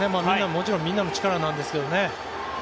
もちろんみんなの力なんですけどね。